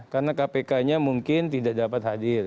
karena kpknya mungkin tidak dapat hadir